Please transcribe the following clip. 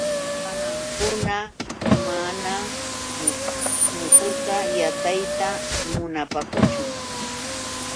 Mamakuna manam muhu yatayta munaapaakuchun.